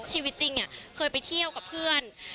ชีวิตจริงเคยไปเที่ยวกับเพื่อน